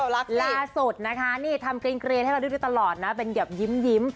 รักเตรียนลาสุดนี่ทำ๖๔๗ให้เรารู้ด้วยตลอดมาเก็บยิ้ม